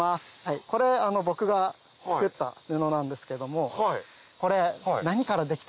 これ僕が作った布なんですけれどもこれ。